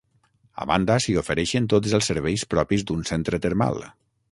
A banda, s'hi ofereixen tots els serveis propis d'un centre termal.